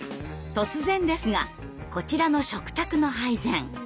突然ですがこちらの食卓の配膳。